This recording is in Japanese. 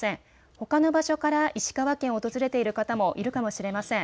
ほかの場所から石川県を訪れている方もいるかもしれません。